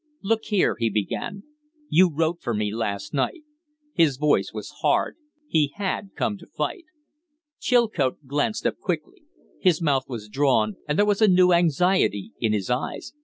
"Look here," he began, "you wrote for me last night " His voice was hard; he had come to fight. Chilcote glanced up quickly. His mouth was drawn and there was anew anxiety in his eyes.